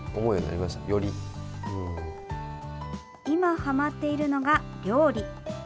今、ハマっているのが料理。